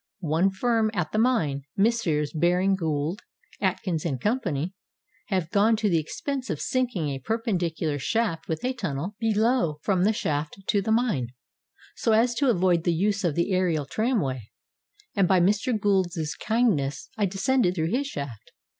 One firm at the mine, Messrs. Baring Gould, Atkins & Company, have gone to the 452 THE DIAMOND FIELDS OF SOUTH AFRICA expense of sinking a perpendicular shaft with a tunnel below from the shaft to the mine, — so as to avoid the use of the aerial tramway; and by Mr. Gould's kindness I descended through his shaft.